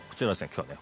今日はね